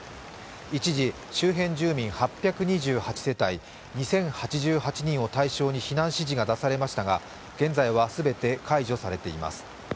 一時、周辺住民８２８世帯２０８８人を対象に避難指示が出されましたが現在は全て解除されています。